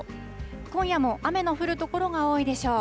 今夜も雨の降る所が多いでしょう。